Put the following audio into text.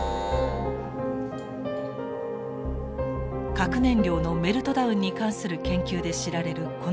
核燃料のメルトダウンに関する研究で知られるこの施設。